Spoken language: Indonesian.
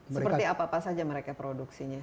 seperti apa apa saja mereka produksinya